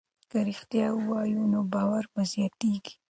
که رښتیا ووایو نو باور مو زیاتېږي.